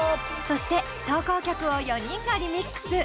そして投稿曲を４人がリミックス！